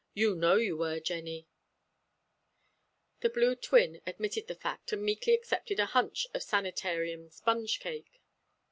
You know you were, Jennie." The blue twin admitted the fact, and meekly accepted a hunch of sanitarian sponge cake.